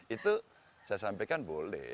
itu saya sampaikan boleh